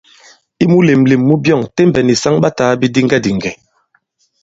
I mulèmlèm mu byɔ̂ŋ, Tembɛ̀ nì saŋ ɓa tāā bidiŋgɛdìŋgɛ̀.